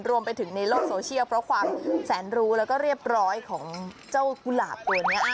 รวมไปถึงในโลกโซเชียลเพราะความแสนรู้และเรียบร้อยของเจ้ากุหลาบตัวเนี่ย